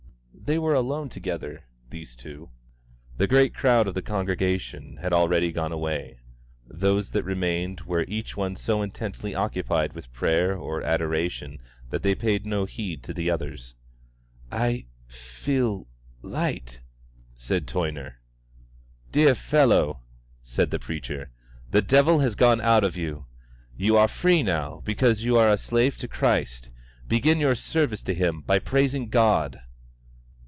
They were alone together, these two. The great crowd of the congregation had already gone away; those that remained were each one so intensely occupied with prayer or adoration that they paid no heed to others. "I feel light," said Toyner. "Dear fellow," said the preacher, "the devil has gone out of you. You are free now because you are the slave of Christ. Begin your service to him by praising God!"